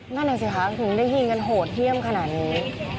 นั่นน่ะสิคะถึงได้ยิงกันโหดเยี่ยมขนาดนี้